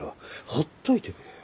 ほっといてくれよ。